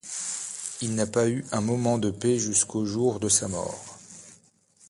Il n'a pas eu un moment de paix jusqu'au jour de sa mort.